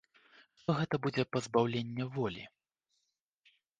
Што гэта будзе пазбаўленне волі.